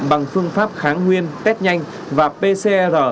bằng phương pháp kháng nguyên test nhanh và pcr